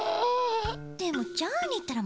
でもジャーニーったら